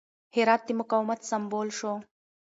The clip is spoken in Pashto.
هرات د مقاومت سمبول شو.